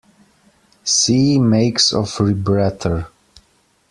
See makes of rebreather.